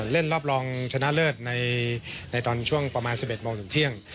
เล่นรอบรองชนะเลิศในตอนช่วงประมาณ๑๑โมงถึงเที่ยง